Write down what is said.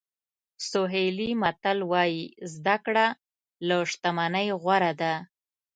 سوهیلي متل وایي زده کړه له شتمنۍ غوره ده.